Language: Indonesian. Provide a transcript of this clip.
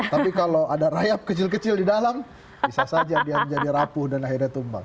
tapi kalau ada rayap kecil kecil di dalam bisa saja dia menjadi rapuh dan akhirnya tumbang